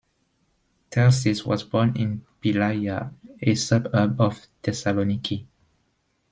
Terzis was born in Pylaia, a suburb of Thessaloniki.